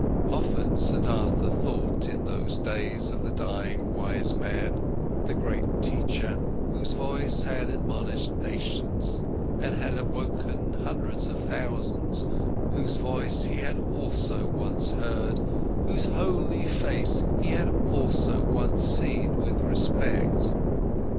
Often, Siddhartha thought in those days of the dying wise man, the great teacher, whose voice had admonished nations and had awoken hundreds of thousands, whose voice he had also once heard, whose holy face he had also once seen with respect.